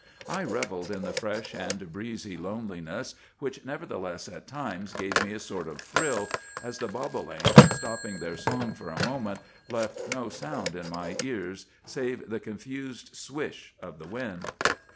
I revelled in the fresh and breezy loneliness, which nevertheless at times gave me a sort of thrill, as the bobolinks, stopping their song for a moment, left no sound in my ears save the confused 'swish' of the wind.